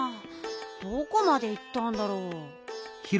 どこまでいったんだろう。